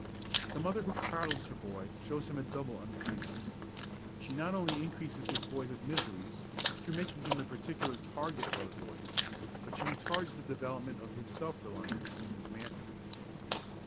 The mother who coddles her boy shows him a double unkindness. She not only increases his boyhood miseries, through making him the particular target of other boys, but she retards the development of his self reliance and his manliness.